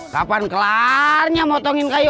kapan kelarnya motongin kayu